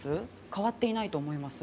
変わっていないと思います？